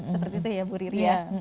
seperti itu ya bu riri ya